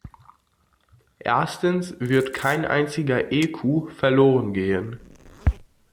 Erstens wird kein einziger Ecu verlorengehen.